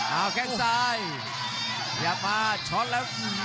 เอาแค่งซ้ายพยายามมาช็อตละ